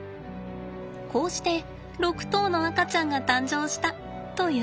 こうして６頭の赤ちゃんが誕生したというわけです。